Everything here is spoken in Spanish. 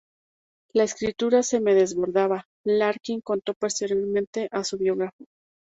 La escritura se me desbordaba", Larkin contó posteriormente a su biógrafo.